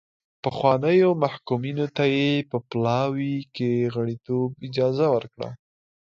پخوانیو محکومینو ته یې په پلاوي کې غړیتوب اجازه ورکړه.